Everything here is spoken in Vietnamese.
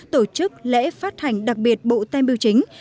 tổ chức lễ phát hành đặc biệt bộ tem biêu chính